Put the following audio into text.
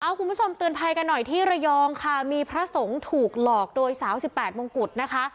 คุณผู้ชมเตือนภัยกันหน่อยที่ระยองค่ะมีพระสงฆ์ถูกหลอกโดยสาวสิบแปดมงกุฎนะคะ